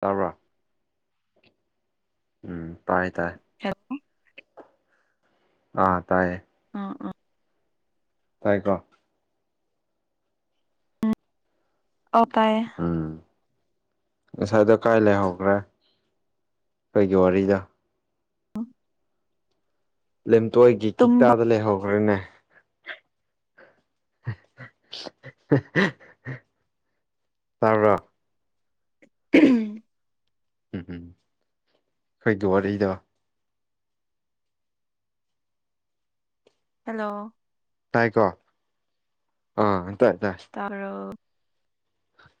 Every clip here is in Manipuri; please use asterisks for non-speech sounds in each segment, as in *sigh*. ꯇꯥꯕ꯭ꯔꯥ ꯎꯝ ꯇꯥꯏꯌꯦ ꯇꯥꯏ ꯍꯜꯂꯣ ꯑꯥ ꯇꯥꯏꯌꯦ ꯑꯥ ꯑꯥ ꯇꯥꯏꯀꯣ ꯑꯥꯎ ꯇꯥꯌꯦ ꯎꯝ ꯉꯁꯥꯏꯗꯣ ꯀꯥꯏ ꯂꯩꯍꯧꯈ꯭ꯔꯦ ꯑꯩꯒꯤ ꯋꯥꯔꯤꯗꯣ ꯂꯦꯝꯊꯣꯏꯒꯤ ꯇꯨꯝꯕ ꯀꯤꯇꯥꯗ ꯂꯩꯍꯧꯈ꯭ꯔꯅꯦ *inaudible* ꯇꯥꯕ꯭ꯔ *unintelligible* ꯎꯝ ꯎꯝ ꯈꯣꯏꯒꯤ ꯋꯥꯔꯤꯗꯣ ꯍꯜꯂꯣ ꯇꯥꯏꯀꯣ ꯑꯥ ꯇꯥꯏ ꯇꯥꯏ ꯇꯥꯕꯔꯣ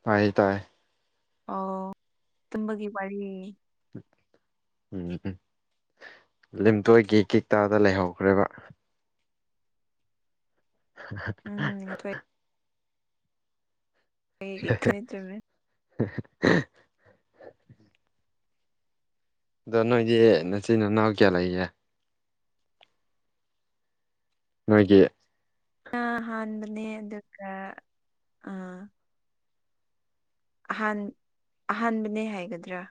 ꯇꯥꯏ ꯇꯥꯏ ꯑꯣ ꯇꯨꯝꯕꯒꯤ ꯋꯥꯔꯤ ꯎꯝ ꯎꯝ ꯂꯤꯝꯇꯣꯏꯒꯤ ꯀꯤꯛꯇꯗ ꯂꯩꯍꯧꯈ꯭ꯔꯦꯕ ꯎꯝ *unintelligible* ꯉꯁꯥꯏ ꯑꯩ ꯒꯤ ꯈꯟꯇꫪꯃꯦ ꯍ *unintelligible* ꯑꯗꯣ ꯅꯣꯏꯗꯤ ꯅꯆꯤꯟꯅꯥꯎ ꯀꯌꯥ ꯂꯩꯒꯦ ꯅꯣꯏꯒꯤ ꯑ ꯑꯥꯍꯥꯟꯕꯅꯦ ꯑꯗꯨ ꯒꯥ ꯑ ꯑꯍꯥꯟ ꯑꯍꯥꯟꯕꯅꯦ ꯍꯥꯏꯒꯗ꯭ꯔꯥ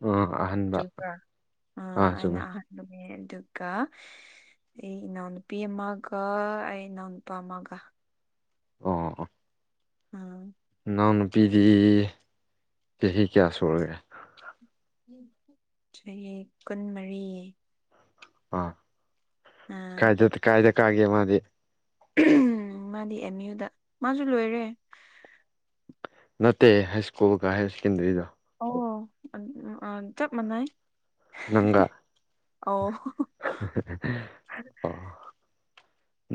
ꯎꯝ ꯑꯍꯟ ꯆꯨꯝꯕꯔ ‌ꯑꯥ‌ ꯑꯩꯅ ꯑꯍꯟ ꯅꯨꯃꯦ ꯑꯗꯨꯒ ꯑꯩ ꯏꯅꯥꯎ ꯅꯨꯄꯤ ꯑꯃꯒ ꯑꯩ ꯏꯅꯥꯎ ꯅꯨꯄꯥ ꯑꯃꯒ ꯑꯣ ꯎꯝ *unintelligible* ꯏꯅꯥꯎ ꯅꯨꯨꯄꯤꯗꯤ ꯆꯍꯤ ꯀꯌꯥ ꯁꯨꯔꯒꯦ ꯆꯍꯤ ꯀꯨꯟꯃꯔꯤ ꯑ ꯑꯥ ꯀꯥꯏꯗ ꯀꯥꯏꯗ ꯀꯥꯒꯦ ꯃꯥꯗꯤ ꯃꯥꯗꯤ ꯑꯦꯝ ꯌꯨꯗ ꯃꯥꯁꯨ ꯂꯣꯏꯔꯦ ꯅꯠꯇꯦ ꯍꯥꯏ ꯁ꯭ꯀꯨꯜꯒ ꯍꯥꯏꯌꯔ ꯁꯦꯀꯦꯟꯗꯔꯤꯒ ꯑꯣ ꯆꯞ ꯃꯥꯟꯅꯩ ꯅꯪꯒꯥ ꯑꯧ ꯑꯣ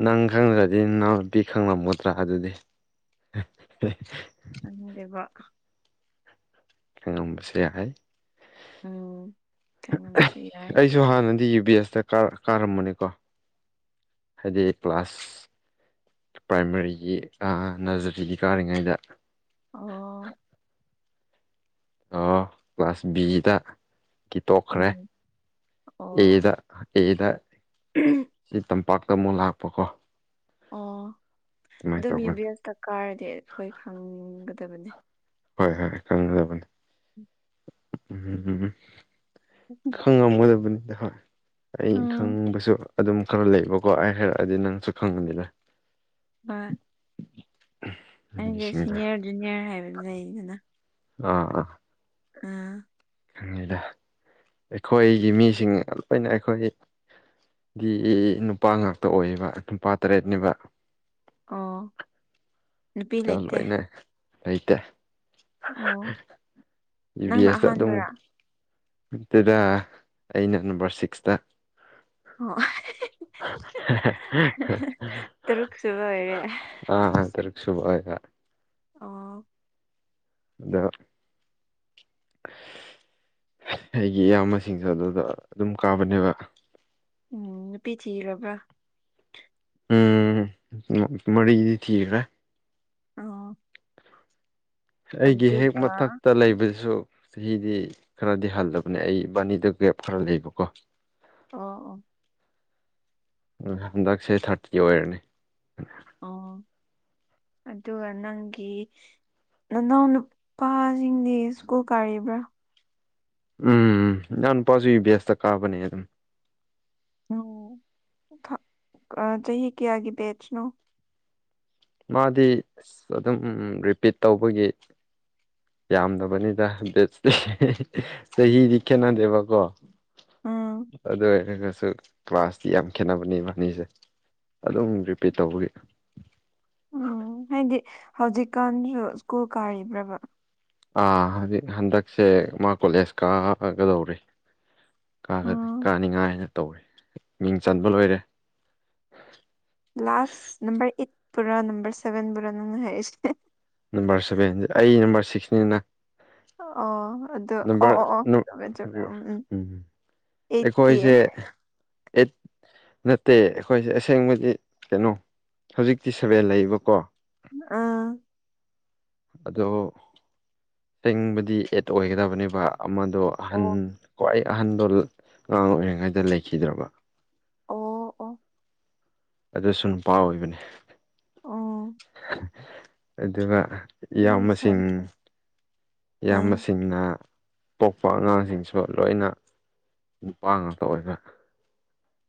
ꯅꯪ ꯈꯪꯗ꯭ꯔꯗꯤ ꯅꯅꯥꯎ ꯅꯨꯄꯤ ꯈꯪꯂꯝꯒꯗ꯭ꯔꯥ ꯑꯗꯨꯗꯤ *unintelligible* ꯉꯝꯕꯁ ꯌꯥ ꯍꯥꯏ ꯎꯝ ꯈꯉꯝꯕꯁꯨ ꯌꯥꯏ ꯑꯩꯁꯨ ꯍꯥꯟꯅꯗꯤ ꯌꯨ ꯕꯤ ꯑꯦꯁꯇ ꯀꯥꯔꯝꯕꯅꯤꯀꯣ ꯍꯥꯏꯗꯤ ꯀ꯭ꯂꯥꯁ ꯄ꯭ꯔꯥꯏꯃꯥꯔꯤꯒꯤ ꯅꯔꯖꯔꯤꯗꯤ ꯀꯥꯔꯤꯉꯩꯗ ꯑꯣ ꯀ꯭ꯂꯥꯁ ꯕꯤ ꯗ ꯒꯤ ꯇꯣꯛꯈ꯭ꯔꯦ ꯎꯝ ꯑꯦꯗ ꯀꯩꯗ ꯎꯝ ꯁꯤ ꯇꯝꯄꯥꯛꯇ ꯑꯃꯨꯛ ꯂꯥꯛꯄ ꯀꯣ ꯑꯣ ꯑꯗꯨ ꯃꯤ ꯇꯧꯕꯅꯤ ꯕꯦꯁꯇ ꯀꯥꯔꯗꯤ ꯑꯩꯈꯣꯏ ꯈꯪꯒꯗꯕꯅꯤ ꯍꯣꯏ ꯍꯣꯏ ꯈꯪꯖꯕꯅꯤ ꯎꯝꯝ ꯎꯝ ꯎꯝ ꯎ ꯈꯪ ꯉꯝꯒꯗꯕꯅꯤꯗ ꯍꯣꯏ ꯑ ꯎꯝ ꯈꯪꯕꯁꯨ ꯑꯗꯨꯝ ꯈꯔ ꯂꯩꯕꯀꯣ ꯑꯩ ꯍꯥꯏꯔꯛꯑꯗꯤ ꯅꯪꯁꯨ ꯈꯪꯒꯅꯤ ꯕꯥ *unintelligible* ꯑꯩꯗꯤ ꯃꯤꯁꯤꯡꯗꯣ ꯁꯤꯅꯤꯌꯔ ꯖꯨꯅꯤꯌꯔ ꯍꯥꯏꯕꯅꯦ ꯑ ꯑꯥ ꯎꯝ ꯈꯪꯉꯤꯗ ꯑꯩꯈꯣꯏꯒꯤ ꯃꯤꯁꯤꯡ ꯂꯣꯏꯅ ꯑꯩꯈꯣꯏ ꯒꯤꯗꯤ ꯅꯨꯄꯥ ꯉꯥꯛꯇ ꯑꯣꯏꯌꯦꯕ ꯅꯨꯄꯥ ꯇꯔꯦꯠꯅꯦꯕ ꯑꯣ ꯅꯨꯄꯤ ꯂꯩꯇꯦ ꯂꯣꯏꯅ ꯂꯩꯇꯦ ꯑꯣ ꯏꯕꯤ ꯅꯪꯅ ꯑꯁꯗ ꯑꯗꯨꯝ ꯑꯍꯥꯟꯕꯔꯥ ꯑꯗꯨꯗ ꯑꯩꯅ ꯅꯝꯕꯔ ꯁꯤꯛꯁꯇ ꯑꯣ ꯇꯔꯨꯛ ꯁꯨꯕ ꯑꯣꯏꯔꯦ *unintelligible* ꯑ ꯇꯔꯤꯛꯁꯨꯨꯕ ꯍꯥꯏ ꯑꯥ ꯑꯗ ꯑꯩꯒꯤ ꯏꯌꯥꯝꯕꯁꯤꯡꯁꯨ ꯑꯗꯨꯗ ꯑꯗꯨꯝ ꯀꯥꯕꯅꯦꯕ ꯎꯝ ꯅꯨꯄꯤ ꯊꯤꯔꯕ꯭ꯔꯥ ꯎꯝ ꯃꯔꯤꯗꯤ ꯊ꯭ꯔ ꯑ *unintelligible* ꯑꯩꯒꯤ ꯍꯦꯛ ꯃꯊꯛꯇ ꯂꯩꯕꯖꯨ ꯆꯍꯤꯗꯤ ꯈꯔꯗꯤ ꯍꯜꯂꯕꯅꯦ ꯑꯩ ꯏꯕꯥꯅꯤꯗ ꯀꯒꯦꯞ ꯈꯔ ꯂꯩꯕꯀꯣ ꯑꯣ ꯑꯣ ꯎ ꯍꯟꯗꯛꯁꯦ ꯊꯥꯔꯇꯤ ꯑꯣꯏꯔꯅꯤ ꯑꯣ ꯑꯗꯨꯒ ꯅꯪꯒꯤ ꯅꯅꯥꯎ ꯅꯨꯄꯥꯁꯤꯡꯗꯤ ꯁ꯭ꯀꯨꯜ ꯀꯥꯔꯤꯕ꯭ꯔꯥ ꯎꯝ ꯏꯅꯥꯎꯅꯨꯄꯥꯁꯨ ꯕꯦꯁꯇ ꯀꯥꯕꯅꯦ ꯅꯪ ꯐꯥ ꯑꯥ ꯆꯍꯤ ꯀꯌꯥꯒꯤ ꯕꯦꯆꯅꯣ ꯃꯥꯗꯤ ꯑꯁ ꯑꯗꯨꯝ ꯔꯤꯄꯤꯠ ꯇꯧꯕꯒꯤ ꯌꯥꯝꯗꯕꯅꯤꯗꯦ ꯆꯍꯤꯗꯤ ꯈꯦꯠꯅꯗꯦꯕꯀꯣ ꯎꯝ ꯑꯗꯨ ꯑꯣꯢꯔꯒꯁꯨ ꯀ꯭ꯂꯥꯁꯇꯤ ꯌꯥꯝ ꯈꯦꯠꯅꯕꯅꯤ ꯏꯕꯥꯅꯤꯖꯦ ꯑꯗꯨꯝ ꯔꯤꯄꯤꯠ ꯇꯧꯕꯒꯤ ꯎꯝ ꯍꯥꯏꯗꯤ ꯍꯧꯖꯤꯛꯀꯥꯟꯁꯨ ꯁ꯭ꯀꯨꯜ ꯀꯥꯔꯤꯕ꯭ꯔꯕꯥ ꯑꯥ ꯍꯧꯖꯤꯛ ꯍꯟꯗꯛꯁꯦ ꯃꯥ ꯀꯣꯂꯦꯖ ꯀꯥꯒꯗꯧꯔꯤ ꯎꯝ ꯀꯥꯒꯅꯤ ꯀꯥꯅꯤꯉꯥꯏꯅ ꯇꯧꯔꯦ ꯃꯤꯡ ꯆꯟꯕ ꯂꯣꯏꯔꯦ ꯂꯥꯁꯇ ꯅꯝꯕꯔ ꯑꯩꯠ ꯄꯨꯔꯥ ꯅꯝꯕꯔ ꯁꯚꯦꯟ ꯕꯨꯔꯥ ꯅꯪꯅ ꯍꯥꯏꯔꯤꯁꯦ ꯅꯝꯕꯔ ꯁꯚꯦꯟ ꯑꯩ ꯅꯝꯕꯔ ꯁꯤꯛꯁꯅꯤꯅ ꯑꯣ ꯑꯗꯨ ꯑꯣ ꯅꯝꯕꯔ ꯑꯣ ꯑꯣ ꯆꯃꯦ ꯆꯃꯦ ꯎꯝ ꯎꯝ ꯑꯩꯠꯇꯤ ꯑꯩꯈꯣꯏꯖꯦ ꯑꯦꯠ ꯅꯠꯇꯦ ꯑꯩꯈꯣꯏꯖꯦ ꯑꯁꯦꯡꯕꯗꯤ ꯀꯩꯅꯣ ꯍꯧꯖꯤꯛꯇꯤ ꯁꯚꯦꯟ ꯂꯩꯕꯀꯣ ꯑꯥ ꯑꯗꯣ ꯁꯦꯡꯕꯗꯤ ꯑꯦꯠ ꯑꯣꯏꯒꯗꯕꯅꯤꯕ ꯑꯃꯗꯣ ꯑꯍꯟ ꯑꯣ ꯈ꯭ꯋꯥꯏ ꯑꯍꯟꯕ ꯑꯉꯥꯡ ꯑꯣꯏꯔꯤꯉꯩꯗ ꯂꯩꯈꯤꯗ꯭ꯔꯕ ꯑꯣ ꯑꯣ ꯑꯗꯨꯁꯨ ꯅꯨꯄꯥ ꯑꯣꯏꯕꯅꯦ ꯑꯣ ꯑꯗꯨꯒ ꯕꯦꯔꯤ ꯏꯌꯥꯝꯕꯁꯤꯡ ꯁꯣꯔꯤ ꯑꯥ ꯏꯌꯥꯝꯕꯁꯤꯡꯅ ꯄꯣꯛꯄ ꯑꯉꯥꯡꯁꯤꯡꯁꯨ ꯂꯣꯏꯅ ꯅꯨꯄꯥ ꯉꯥꯛꯇ ꯑꯣꯏꯕ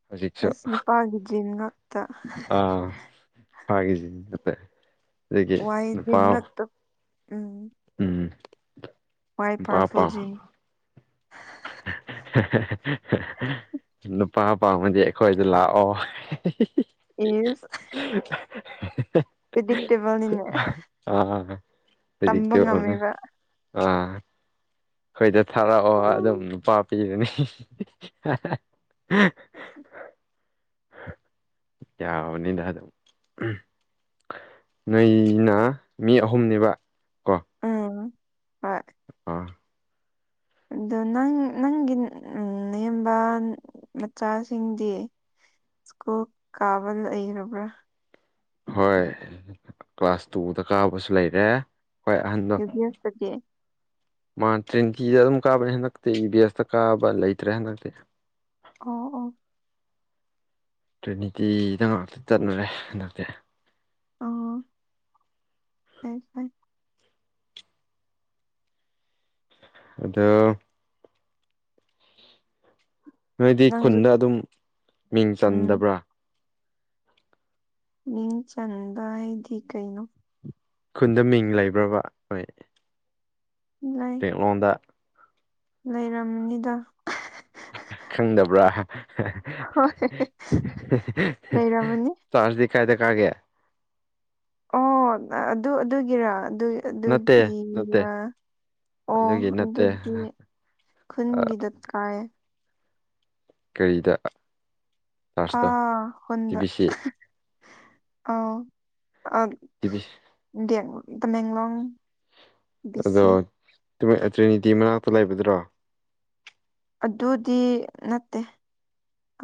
ꯍꯧꯖꯤꯛꯁꯨ ꯑꯁ ꯅꯨꯄꯥꯒꯤ ꯖꯤꯟ ꯉꯥꯛ ꯑꯥ ꯅꯨꯄꯥꯒꯤ ꯖꯤꯟ ꯉꯥꯛꯇ ꯋꯥꯏ ꯖꯤꯟ ꯉꯥꯛꯇ ꯎꯝ ꯎꯝ ꯋꯥꯏ ꯅꯨꯄꯥ ꯄꯥꯔꯐꯨꯜ ꯄꯥꯝ ꯖꯤꯟ ꯅꯨꯄꯥ ꯄꯥꯝꯃꯗꯤ ꯑꯩꯈꯣꯏꯗ ꯂꯥꯛꯑꯣ ꯢꯁ ꯄ꯭ꯔꯤꯗꯤꯛꯇꯦꯕꯜꯅꯤꯅꯦ *unintelligible* ꯑꯥ ꯇꯝꯕ ꯉꯝꯃꯦꯕ *unintelligible* ꯑꯥ ꯑꯩꯈꯣꯏꯗ ꯊꯥꯔꯛꯑꯣ ꯑꯗꯨꯝ ꯎꯝ ꯅꯨꯄꯥ ꯄꯤꯒꯅꯤ *unintelligible* ꯅꯩꯢꯅ ꯃꯤ ꯑꯍꯨꯝꯅꯦꯕ ꯎꯝ ꯍꯣꯏ ꯑ ꯑꯗꯣ ꯅꯪ ꯅꯪꯒꯤ ꯅꯌꯨꯝꯕ ꯃꯆꯥꯁꯤꯡꯗꯤ ꯁ꯭ꯀꯨꯜ ꯀꯥꯕ ꯂꯩꯔꯕ꯭ꯔꯥ ꯍꯣꯏ ꯀ꯭ꯂꯥꯁ ꯇꯨꯗ ꯀꯥꯕꯁꯨ ꯂꯩꯔꯦ ꯈ꯭ꯋꯥꯢ ꯑꯍꯟꯗꯣ ꯌꯨ ꯕꯤ ꯑꯦꯁꯇꯗꯤ ꯃꯥ ꯇ꯭ꯔꯦꯟꯀꯤꯗ ꯑꯗꯨꯝ ꯀꯥꯕꯅꯤ ꯍꯟꯗꯛꯇꯤ ꯏꯕꯦꯁꯇ ꯀꯥꯕ ꯂꯩꯇ꯭ꯔꯦ ꯍꯟꯗꯛꯇꯤ ꯑꯣ ꯑꯣ ꯇ꯭ꯔꯦꯅꯤꯇꯤꯗ ꯉꯥꯛꯇ ꯆꯠꯅꯔꯦ ꯍꯟꯗꯛꯇꯤ ꯑꯣ *unintelligible* ꯑꯗꯣ ꯅꯣꯏꯗꯤ ꯅꯪꯁꯨ ꯈꯨꯟꯗ ꯑꯗꯨꯝ ꯃꯤꯡ ꯎꯝ ꯆꯟꯗꯕ꯭ꯔꯥ ꯃꯤꯡ ꯆꯟꯕ ꯍꯥꯏꯗꯤ ꯀꯩꯅꯣ ꯈꯨꯟꯗ ꯃꯤꯡ ꯂꯩꯕ꯭ꯔꯥꯕ ꯅꯣꯏ ꯂꯩ *unintelligible* ꯂꯩꯔꯝꯅꯤꯗ ꯈꯪꯗꯕ꯭ꯔꯥ ꯍꯣꯏ ꯂꯩꯔꯝꯃꯅꯤ ꯆꯥꯔꯁꯇꯤ ꯀꯥꯏꯗ ꯀꯥꯒꯦ ꯑꯣ ꯑꯗꯨ ꯑꯗꯨꯒꯤꯔꯥ ꯑꯗꯨ ꯅꯠꯇꯦ ꯅꯠꯇꯦ ꯑꯗꯨꯒꯤꯔ ꯑꯣ ꯑꯗꯨꯒꯤ ꯅꯠꯇꯦ ꯑꯗꯨꯗꯤ ꯈꯨꯟꯒꯤꯗ ꯀꯥꯏ ꯀꯩꯗꯥ ꯑꯥ ꯍꯗ ꯕꯤ ꯁꯤ ꯑ ꯑ *unintelligible* *inaudible* ꯇꯤꯚꯤ *inaudible* *unintelligible* ꯏ ꯕꯦꯡꯡꯂꯣꯡ ꯑꯗꯣ ꯇ꯭ꯔꯤꯅꯤꯇꯤ ꯃꯅꯥꯛꯇ ꯂꯩꯕꯗꯨꯔꯣ ꯑꯗꯨꯗꯤ ꯅꯠꯇꯦ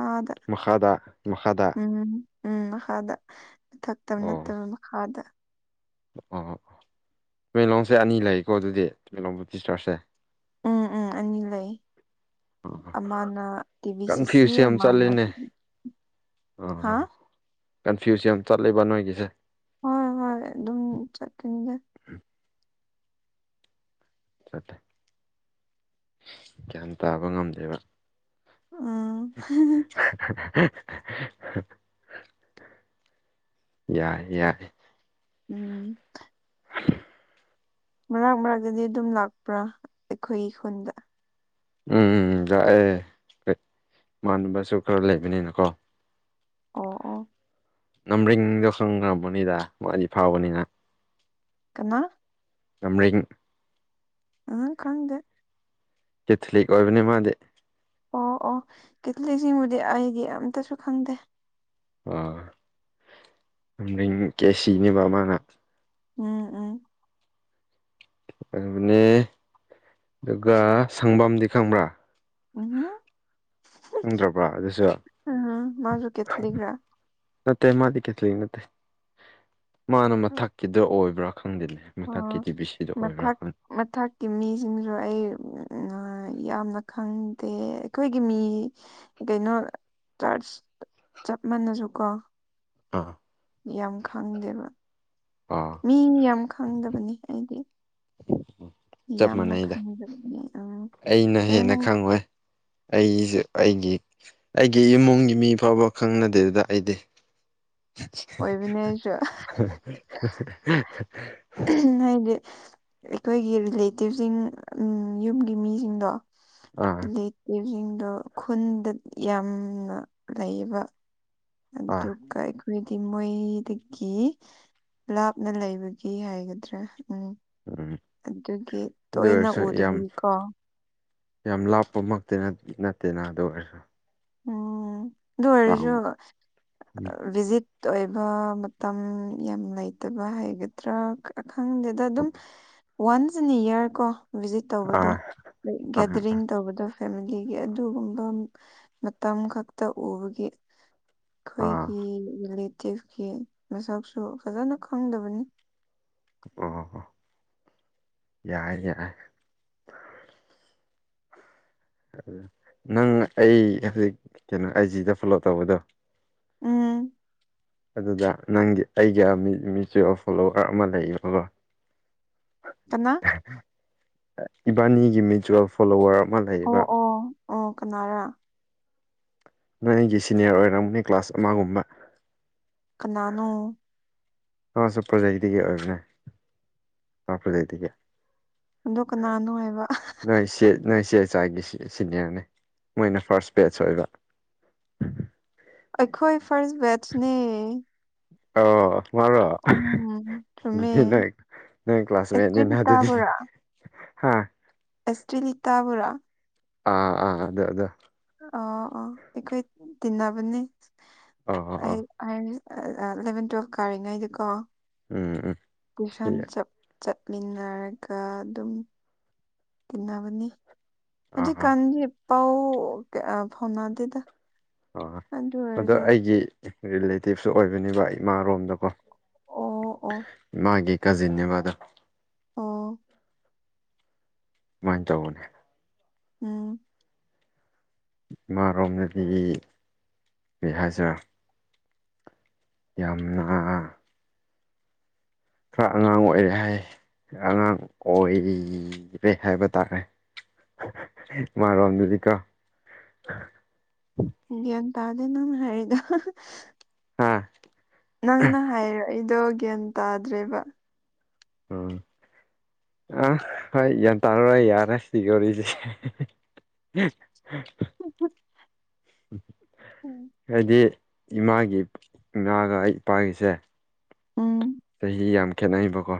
ꯑꯥꯗ ꯃꯈꯥꯗ ꯃꯈꯥꯗ ꯎꯝ ꯎꯝ ꯃꯈꯥꯗ ꯊꯛꯇꯕ ꯑꯣ ꯅꯠꯇꯕ ꯃꯈꯥꯗ ꯑꯣ ꯇꯃꯦꯡꯂꯣꯡꯁꯦ ꯑꯅꯤ ꯂꯩꯀꯣ ꯑꯗꯨꯗꯤ ꯇꯃꯦꯡꯂꯣꯡꯕꯨ ꯇꯤꯁꯇꯔꯁꯦ ꯎꯝ ꯎꯝ ꯑꯅꯤ ꯂꯩ ꯑꯣ ꯑꯃꯅ ꯇꯤꯚꯤ ꯁꯤꯁꯤ ꯀꯟꯐ꯭ꯌꯨꯁ ꯑꯃꯅ ꯍꯥ ꯎꯝ ꯀꯟꯐ꯭ꯌꯨꯁ ꯌꯥꯝ ꯆꯠꯂꯦꯕ ꯅꯣꯏꯒꯤꯁꯦ ꯍꯣꯏ ꯍꯣꯏ ꯑꯗꯨꯝ ꯆꯠꯀꯅꯤꯒꯦ ꯆꯠꯇꯦ ꯒ꯭ꯌꯥꯟ ꯇꯥꯕ ꯉꯝꯗꯦꯕ ꯎꯝ *unintelligible* ꯌꯥꯏ ꯌꯥꯏ ꯎꯝ ꯑ *unintelligible* *inaudible* ꯃꯔꯛ ꯃꯔꯛꯇꯗꯤ ꯑꯗꯨꯝ ꯂꯥꯛꯄ꯭ꯔꯥ ꯑꯩꯈꯣꯏ ꯈꯨꯟꯗ ꯎꯝ ꯂꯥꯛꯑꯦ ꯃꯅꯕꯁꯨ ꯈꯔ ꯂꯩꯕꯅꯤꯅꯀꯣ ꯑꯣ ꯑꯣ ꯅꯝꯕꯔꯔꯤꯡꯗꯣ ꯈꯪꯔꯝꯒꯅꯤꯗ ꯃꯥꯗꯤ ꯐꯥꯎꯕꯅꯤꯅ ꯀꯅꯥ ꯅ *unintelligible* *inaudible* ꯑ ꯀꯪꯗꯦ ꯑꯦꯊꯂꯤꯛ ꯑꯣꯏꯕꯅꯦ ꯃꯥꯗꯤ ꯑꯣ ꯑꯣ ꯀꯦꯠꯂꯤꯛꯁꯤꯡꯕꯨꯗꯤ ꯑꯩꯗꯤ ꯑꯝꯇꯁꯨ ꯈꯪꯗꯦ ꯑ ꯅꯡ ꯀꯦ ꯁꯤꯅꯦꯕ ꯑꯃ ꯃꯥꯅ *inaudible* ꯎꯝ ꯎꯝ ꯑꯗꯨꯒꯅꯦ ꯑꯗꯨꯒ ꯁꯪꯕꯝꯗꯤ ꯈꯪꯕ꯭ꯔꯥ ꯎ ꯎꯝ ꯈꯪꯗ꯭ꯔꯕ꯭ꯔꯥ ꯑꯗꯨꯁꯨ ꯑꯥ ꯃꯥꯖꯨ ꯀꯦꯊꯂꯤꯛꯔꯥ ꯅꯠꯇꯦ ꯃꯥꯗꯤ ꯀꯦꯊꯂꯤꯛ ꯅꯠꯇꯦ ꯃꯥꯅ ꯃꯊꯛꯀꯤꯗ ꯑꯣꯏꯕ꯭ꯔꯥ ꯈꯪꯗꯦꯅꯦ ꯃꯊꯛꯀꯤ ꯑꯣ ꯗꯤ ꯕꯤ ꯁꯤꯗ ꯑꯣꯏꯕꯔ꯭ ꯃꯊꯛ *unintelligible* ꯃꯊꯛꯀꯤ ꯃꯤꯖꯤꯡꯖꯨ ꯑꯩ ꯌꯥꯝꯅ ꯈꯪꯗꯦ ꯑꯩꯈꯣꯏꯒꯤ ꯃꯤ ꯀꯩꯅꯣ ꯆꯥꯔꯖ ꯆꯞ ꯃꯥꯟꯅꯁꯨ ꯀꯣ ꯑꯥ ꯌꯥꯝ ꯈꯪꯗꯦꯕ ꯑꯥ ꯃꯤ ꯌꯥꯝ ꯈꯪꯗꯕꯅꯤ ꯍꯥꯏꯗꯤ ꯆꯞ ꯌꯥꯝꯅ ꯃꯥꯟꯅꯩꯗ ꯈꯟꯖꯕꯅꯤ ꯑꯝ ꯑꯦ ꯅꯪ ꯑꯩꯁꯦ ꯑꯩꯒꯤ ꯑꯩꯒꯤ ꯏꯃꯨꯡꯒꯤ ꯃꯤ ꯐꯥꯎꯕ ꯈꯪꯅꯗꯦꯗ ꯑꯩꯗꯤ ꯑꯣꯏꯕꯅꯦ ꯑꯩꯁꯨ *unintelligible* ꯅꯣꯏꯗꯤ ꯑꯩꯈꯣꯏꯒꯤ ꯔꯤꯂꯦꯇꯤꯞꯁꯤꯡ ꯎ ꯌꯨꯝꯒꯤ ꯃꯤꯁꯤꯡꯗꯣ ꯑ *unintelligible* *inaudible* ꯂꯩꯇ꯭ꯁꯤꯡꯗꯣ ꯈꯨꯟꯗ ꯌꯥꯝꯅ ꯂꯩꯕ ꯑ *unintelligible* *inaudible* ꯂꯨꯀꯥꯏ ꯈꯏꯗꯤ ꯃꯣꯏꯀꯤ ꯂꯥꯞꯅ ꯂꯩꯕ ꯐꯖꯕꯒꯤ ꯍꯥꯏꯒꯗ꯭ꯔꯥ ꯎꯝ ꯎꯝ ꯑꯗꯨꯒꯤ ꯑꯗꯨ ꯇꯣꯏꯅ ꯑꯣꯏꯔꯁꯨ ꯌꯥꯝ ꯎꯗꯣꯔꯤꯀꯣ ꯌꯥꯝ ꯂꯥꯞꯄꯃꯛꯇꯤ ꯅꯠ ꯅꯠꯇꯦꯅ ꯑꯗꯨ ꯑꯣꯏꯔꯁꯨ ꯎꯝ ꯑꯗꯨ ꯑꯣꯏꯔꯖꯨ ꯇꯥꯎꯟ ꯚꯤꯖꯤꯠ ꯇꯣꯏꯌꯦꯕ ꯃꯇꯝ ꯌꯥꯝ ꯂꯩꯇꯕ ꯍꯥꯏꯒꯗ꯭ꯔꯥ ꯑ ꯈꯪꯗꯦꯗ ꯑꯗꯨꯝ ꯋꯥꯟꯁ ꯑꯦꯟ ꯏꯌꯥꯔ ꯀꯣ ꯚꯤꯖꯤꯠ ꯇꯧꯕꯗꯣ ꯑꯥ ꯑꯥ ꯒꯦꯗꯔꯤꯡ ꯇꯧꯕꯗꯣ ꯐꯦꯃꯤꯂꯤꯒꯤ ꯑꯗꯨꯒꯨꯝꯕ ꯃꯇꯝ ꯈꯛꯇ ꯎꯕꯒꯤ ꯑꯥ ꯈꯣꯏꯒꯤ ꯂꯤꯠ ꯇꯦꯐꯀꯤ ꯃꯁꯛꯁꯨ ꯐꯖꯅ ꯈꯪꯗꯕꯅꯤ ꯑꯣ ꯑꯣ ꯑꯣ ꯌꯥꯏ ꯌꯥꯏ ꯑꯗꯨ ꯅꯪ ꯑꯩ ꯍꯧꯖꯤꯛ ꯀꯩꯅꯣ ꯑꯥꯏꯖꯤꯗ ꯐꯣꯂꯣ ꯇꯧꯕꯗꯣ ꯎꯝ *unintelligible* *inaudible* ꯑꯗꯨꯗ ꯅꯪꯒꯤ ꯑꯩꯒꯤ ꯃꯤꯆꯤꯌꯦꯜ ꯐꯣꯂꯣꯋꯔ ꯑꯃ ꯂꯩꯌꯦꯕꯀꯣ ꯀꯅꯥ ꯏꯕꯥꯅꯤꯒꯤ ꯃꯤꯆꯨꯋꯦꯜꯐ ꯐꯣꯂꯣꯋꯔ ꯑꯃ ꯂꯩ ꯑꯣ ꯑꯣ ꯑꯣ ꯀꯅꯥꯔ ꯏꯕꯥꯅꯤꯒꯤ ꯁꯤꯅꯤꯌꯔ ꯒꯨꯝꯕ ꯑꯣꯏꯔꯝꯅꯤ ꯀ꯭ꯂꯥꯁ ꯑꯃꯒꯨꯝꯕ ꯀꯅꯥꯅꯣ ꯑꯁꯨ ꯄ꯭ꯔꯣꯖꯦꯛꯇꯒꯤ ꯑꯣꯏꯕꯅꯦ ꯄ꯭ꯔꯣꯖꯦꯛꯇꯒꯤ ꯑꯗꯣ ꯀꯅꯥꯅꯣ ꯍꯥꯏꯕ ꯅꯣꯏ ꯆꯦ ꯅꯣꯏ ꯏ ꯆꯦ ꯏ ꯆꯥꯏꯒꯤ ꯁꯤꯅꯤꯌꯔꯅꯦ ꯃꯣꯏꯅ ꯐꯥꯔꯁ ꯄꯦꯖ ꯑꯣꯏꯕ *unintelligible* *inaudible* ꯑꯩꯈꯣꯏ ꯐꯔꯁ ꯕꯦꯠꯁꯅꯦ ꯑꯣ ꯋꯥꯔꯣ ꯎꯝ ꯆꯨꯝꯃꯦ ꯑꯗꯨꯗꯤ ꯅꯣꯏ ꯅꯣꯏ ꯀ꯭ꯂꯥꯁꯃꯦꯠꯅꯤꯅ ꯑꯗꯨꯗꯤ ꯑꯦꯁꯇ꯭ꯔꯤꯂꯤꯇꯥꯕꯨꯔꯥ ꯍꯥꯥ ꯑꯁꯇ꯭ꯔꯤꯂꯤꯇꯥ ꯕꯨꯔꯥ ꯑꯥ ꯑꯥ ꯑꯗꯦ ꯑꯗꯦ *unintelligible* *inaudible* ꯑꯥ ꯑꯉꯥꯪ ꯑꯩꯈꯣꯏ ꯇꯤꯟꯅꯕꯅꯤ ꯑꯣ ꯑꯣ ꯑꯣ *unintelligible* *inaudible* ꯑ ꯏꯂꯕꯦꯟ ꯇꯨꯋꯦꯜ ꯀꯔꯤꯉꯥꯏꯗꯤꯀꯣ ꯎꯝ ꯎꯝ *unintelligible* *inaudible* ꯇꯨꯏꯁꯟ ꯆꯞ ꯆꯠꯃꯤꯟꯅꯔꯒ ꯑꯗꯨꯝ ꯇꯤꯟꯅꯕꯅꯦ ꯑꯥ ꯍꯧꯖꯤ ꯑꯥ ꯀꯥꯟꯗꯤ ꯄꯥꯎ ꯀꯌꯥ ꯐꯥꯎꯅꯥꯗꯦꯗ ꯑꯣ ꯑꯗꯣ ꯑꯩꯒꯤ ꯔꯤꯂꯦꯇꯤꯞꯁꯨ ꯑꯣꯏꯕꯅꯦꯕ ꯏꯃꯥꯔꯣꯝꯗꯀꯣ ꯑꯣ ꯑꯣ ꯃꯥꯒꯤ ꯀꯖꯤꯟꯅꯦꯕꯗꯣ ꯑꯣ ꯃꯥꯏꯟ ꯇꯧꯕꯅꯦ ꯎꯝ *unintelligible* *inaudible* ꯏꯃꯥꯔꯣꯝꯗꯒꯤ ꯀꯩ ꯍꯥꯏꯁꯦꯔ ꯌꯥꯝꯅ ꯈꯔ ꯑꯉꯥꯡ ꯑꯣꯏꯔꯦ ꯍꯥꯏ ꯈꯔ ꯑꯉꯥꯡ ꯑꯣꯏꯔꯦ ꯍꯥꯏꯕ ꯇꯥꯔꯦ ꯃꯥꯔꯣꯝꯗꯨꯗꯤ ꯀꯣ ꯒꯔꯥꯟꯗ ꯊꯥꯗꯦ ꯅꯪꯅꯍꯥꯏꯔꯤꯗꯣ *unintelligible* *inaudible* ꯍꯥꯥ ꯅꯪꯅ ꯍꯥꯏꯔꯛ ꯏꯗꯣ ꯒ꯭ꯌꯥꯟ ꯇꯥꯗ꯭ꯔꯦꯕ ꯎꯝ ꯑꯥ ꯍꯣꯏ ꯒ꯭ꯌꯥꯟ ꯇꯥꯔꯔ‌ꯣꯏ ꯌꯥꯔꯦ ꯁꯤꯒꯤ ꯋꯥꯔꯤꯖꯤ ꯎꯝ *unintelligible* ꯍꯥꯏꯗꯤ ꯏꯃꯥꯒꯤ ꯉꯥꯒ ꯑꯩ ꯏꯄꯥꯒꯤꯁꯦ ꯎꯝ ꯆꯍꯤ ꯌꯥꯝ ꯈꯦꯠꯅꯩꯕꯀꯣ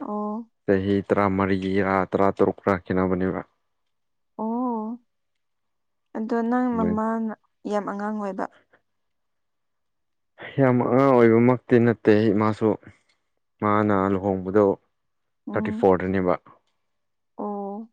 ꯑꯣ ꯆꯍꯤ ꯇꯔꯥꯃꯔꯤꯔ ꯇꯔꯥ ꯇꯔꯨꯛ ꯔ ꯈ‌ꯦꯟꯅꯕꯅꯦꯕ ꯑꯣ ꯑꯗꯣ ꯅꯪ ꯑꯗꯨꯃꯥꯏꯅ ꯃꯃꯥꯅ ꯌꯥꯝ ꯑꯉꯥꯡ ꯑꯣꯏꯕ ꯌꯥꯝ ꯑꯉꯥꯡ ꯑꯣꯏꯕꯃꯛꯇꯤ ꯅꯠꯇꯦ ꯏ ꯃꯥꯁꯨ ꯃꯥꯅ ꯂꯨꯍꯣꯡꯕꯗꯣ ꯎꯝ ꯊꯥꯔꯇꯤ ꯐꯣꯔꯗꯅꯦꯕ ꯑꯣ